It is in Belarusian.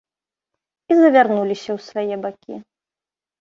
І завярнуліся ў свае бакі.